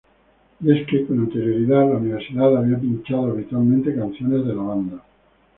Y es que, con anterioridad, la universidad había pinchado habitualmente canciones de la banda.